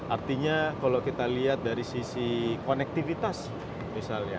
artinya kalau kita lihat dari sisi konektivitas misalnya